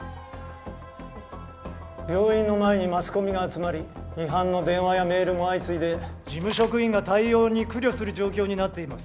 病院の前にマスコミが集まり批判の電話やメールも相次いで事務職員が対応に苦慮する状況になっています